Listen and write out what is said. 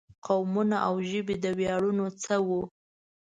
قومونه او ژبې د ویاړونو څه وو.